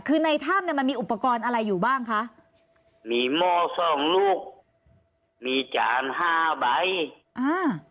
คือในถ้ำเนี้ยมันมีอุปกรณ์อะไรอยู่บ้างคะมีหม้อสองลูกมีจานห้าใบอ่า